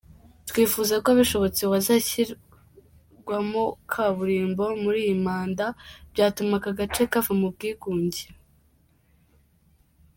Twifuza ko bishobotse wazashyirwamo kaburimbo muri iyi manda, byatuma aka gace kava mu bwigunge,…”.